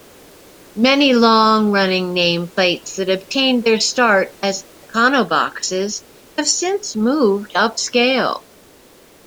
Many long-running nameplates that obtained their start as econoboxes have since moved upscale.